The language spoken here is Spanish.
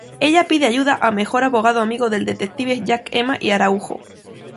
Ella pide ayuda a mejor abogado amigo del detective Jack Emma y Araújo.